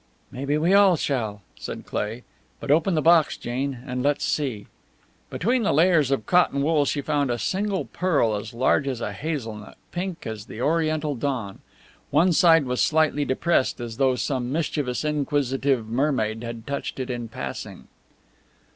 "Maybe we all shall," said Cleigh. "But open the box, Jane, and let's see." Between the layers of cotton wool she found a single pearl as large as a hazelnut, pink as the Oriental dawn. One side was slightly depressed, as though some mischievous, inquisitive mermaid had touched it in passing.